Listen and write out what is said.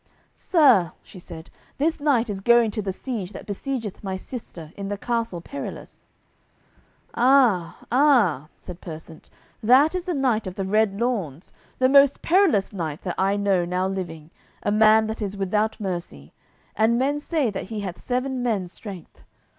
"Sir," she said, "this knight is going to the siege that besiegeth my sister in the Castle Perilous." "Ah, ah," said Persant, "that is the Knight of the Red Lawns, the most perilous knight that I know now living, a man that is without mercy, and men say that he hath seven men's strength.